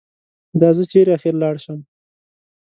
دا زه چېرې اخر لاړ شم؟